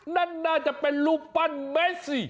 นั่นน่าจะเป็นรูปปั้นแมสซี